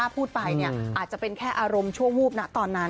พูดไปอาจจะเป็นแค่อารมณ์ชั่ววูบนะตอนนั้น